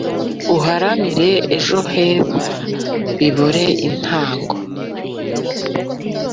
Uharanire ejo heza bibure intango